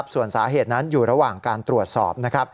ส่วนสาเหตุนั้นอยู่ระหว่างการตรวจสอบ